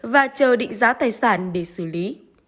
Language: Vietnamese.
và chờ định giá tài sản để xử lý